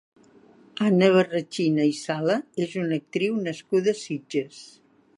Anna Barrachina i Sala és una actriu nascuda a Sitges.